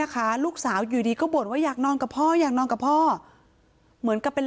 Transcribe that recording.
แต่ปกติไม่มาค่ะมีมีที่ที่หลังจากเสียแล้ว